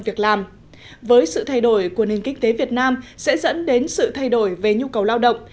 việc làm với sự thay đổi của nền kinh tế việt nam sẽ dẫn đến sự thay đổi về nhu cầu lao động